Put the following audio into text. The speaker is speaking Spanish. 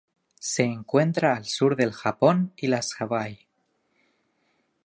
Se encuentra al sur del Japón y las Hawaii.